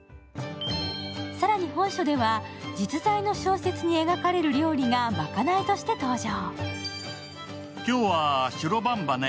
更に本書では実在の小説に描かれる料理がまかないとして登場。